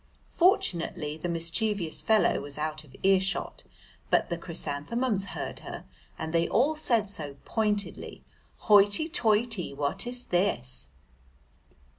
Fortunately the mischievous fellow was out of earshot, but the chrysanthemums heard her, and they all said so pointedly "Hoity toity, what is this?"